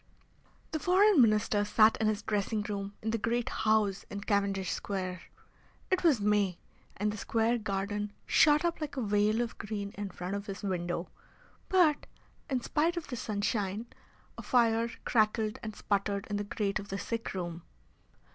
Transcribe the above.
The Foreign Minister sat in his dressing room in the great house in Cavendish Square. It was May, and the square garden shot up like a veil of green in front of his window, but, in spite of the sunshine, a fire crackled and sputtered in the grate of the sick room.